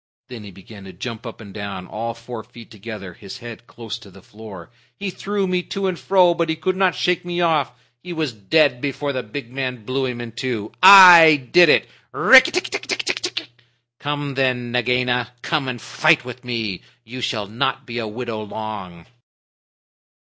Then he began to jump up and down, all four feet together, his head close to the floor. "He threw me to and fro, but he could not shake me off. He was dead before the big man blew him in two. I did it! Rikki tikki tck tck! Come then, Nagaina. Come and fight with me. You shall not be a widow long."